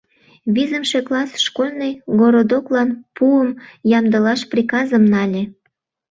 Визымше класс школьный городоклан пуым ямдылаш приказым нале.